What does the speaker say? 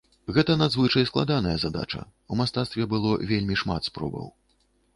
Гэта надзвычай складаная задача, у мастацтве было вельмі шмат спробаў.